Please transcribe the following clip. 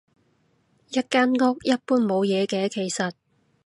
一間屋，一般冇嘢嘅其實